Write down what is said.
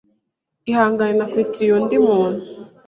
Ihangane, nakwitiriye undi muntu.